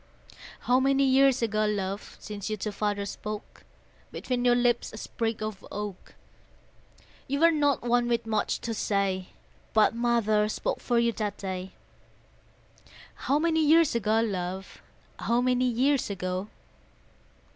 How many years ago, love, Since you to Father spoke? Between your lips a sprig of oak: You were not one with much to say, But Mother spoke for you that day, How many years ago, love, How many years ago?